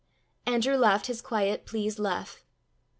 Andrew laughed his quiet pleased laugh.